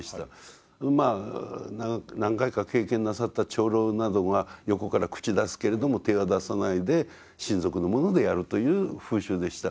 まあ何回か経験なさった長老などが横から口出すけれども手は出さないで親族の者でやるという風習でした。